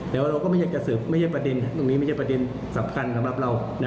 แต่ว่าเราก็ไม่อยากจะสืบไม่ใช่ประเด็นตรงนี้ไม่ใช่ประเด็นสำคัญสำหรับเรา